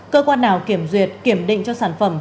cơ quan nào kiểm duyệt kiểm định cho sản phẩm